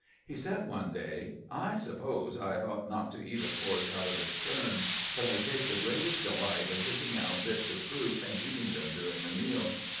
He said one day: "I suppose I ought not to eat a course out of its turn, but I take the greatest delight in picking out bits of fruit and eating them during a meal.